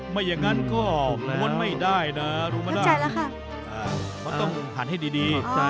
ไม่อย่างงั้นก็ออกมนต์ไม่ได้นะรู้มั้ยน่ะขอบใจแล้วค่ะ